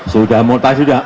sudah mau tahan sudah